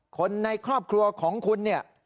คนในครอบครัวของคุณเนี่ย